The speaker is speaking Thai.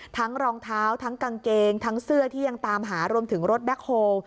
รองเท้าทั้งกางเกงทั้งเสื้อที่ยังตามหารวมถึงรถแบ็คโฮล